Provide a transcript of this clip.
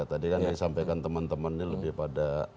tadi kan disampaikan teman teman ini lebih pada